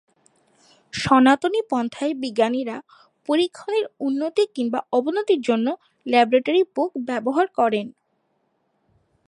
সনাতনী পন্থায় বিজ্ঞানীরা পরীক্ষণের উন্নতি কিংবা অবনতির জন্যে ল্যাবরেটরী নোটবুক ব্যবহার করেন।